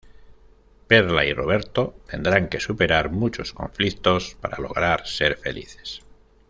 Perla y Roberto tendrán que superar muchos conflictos para lograr ser felices.